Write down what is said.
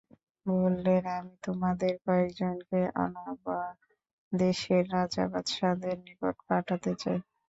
বললেন, আমি তোমাদের কয়েকজনকে অনারব দেশের রাজা বাদশাহদের নিকট পাঠাতে চাই।